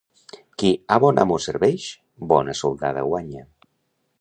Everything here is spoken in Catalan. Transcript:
Qui a bon amo serveix, bona soldada guanya.